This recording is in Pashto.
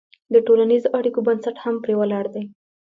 د ټولنیزو اړیکو بنسټ هم پرې ولاړ دی.